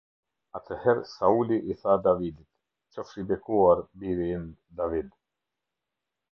Atëherë Sauli i tha Davidit: "Qofsh i bekuar, biri im David.